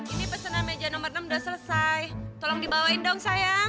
ini pesanan meja nomor enam udah selesai tolong dibawain dong sayang